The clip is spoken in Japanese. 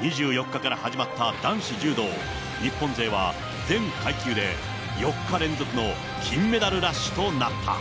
２４日から始まった男子柔道、日本勢は全階級で４日連続の金メダルラッシュとなった。